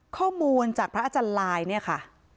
ข้อมูลจากพระอาจารย์ลายเนี่ยค่ะ